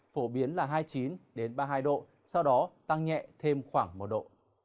phổ biến là hai mươi chín ba mươi hai độ sau đó tăng nhẹ thêm khoảng một độ